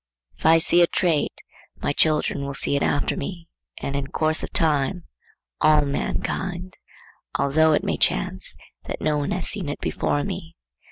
If I see a trait, my children will see it after me, and in course of time all mankind,—although it may chance that no one has seen it before me.